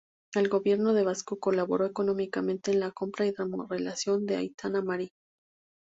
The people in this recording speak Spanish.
El Gobierno Vasco colaboró económicamente en la compra y remodelación del Aita Mari.